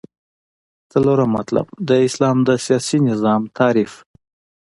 څلورم مطلب : د اسلام د سیاسی نظام تعریف